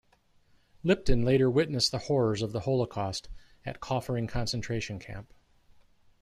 Lipton later witnessed the horrors of the Holocaust at Kaufering concentration camp.